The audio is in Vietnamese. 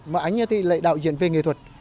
mà anh ấy thì lại là đạo diễn về nghệ thuật